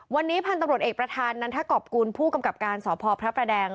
วันนี้พันธุ์ตำรวจเอกประธานนันทกรอบกุลผู้กำกับการสพพระประแดง